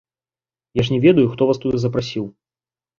Я ж не ведаю, хто вас туды запрасіў.